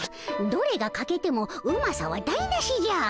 どれがかけてもうまさは台なしじゃ。